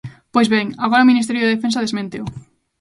Pois ben, agora o Ministerio de Defensa desménteo.